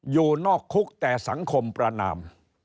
อยู่นอกคุกแต่สังคมประนาม